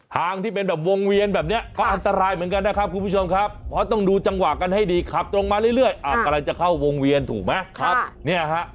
ที่เป็นแบบวงเวียนแบบนี้ก็อันตรายเหมือนกันนะครับคุณผู้ชมครับเพราะต้องดูจังหวะกันให้ดีขับตรงมาเรื่อยกำลังจะเข้าวงเวียนถูกไหม